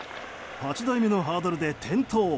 ８台目のハードルで転倒。